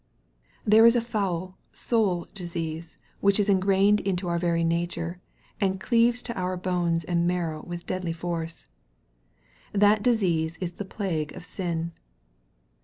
There is a foul soul disease which is engrained into our very nature, and cleaves to our bones and marrow with deadly force. That disease is the plague of sin.